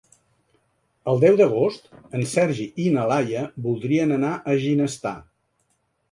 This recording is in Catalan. El deu d'agost en Sergi i na Laia voldrien anar a Ginestar.